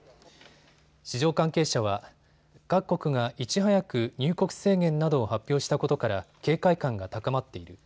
市場関係者は各国がいち早く入国制限などを発表したことから警戒感が高まっている。